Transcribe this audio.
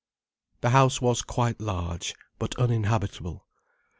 The house was quite large; but uninhabitable.